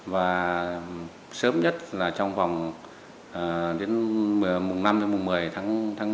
và sớm nhất là trong vòng mùng năm đến mùng một mươi tháng một mươi